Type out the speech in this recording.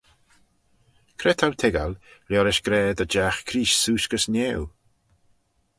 Cre t'ou toiggal liorish gra dy jagh Creest seose gys niau?